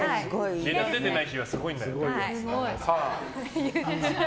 値段出てない日はすごいんだよ。